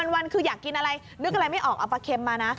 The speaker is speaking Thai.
วันคืออยากกินอะไรนึกอะไรไม่ออกเอาปลาเค็มมานะ